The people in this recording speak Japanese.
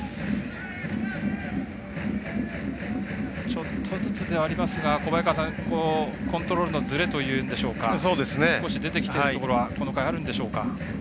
ちょっとずつではありますがコントロールのずれというんでしょうか少し出てきているところこの回あるんでしょうか？